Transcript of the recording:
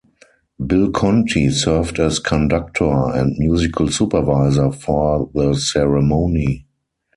Bill Conti served as conductor and musical supervisor for the ceremony.